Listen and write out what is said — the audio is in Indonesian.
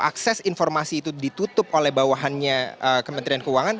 akses informasi itu ditutup oleh bawahannya kementerian keuangan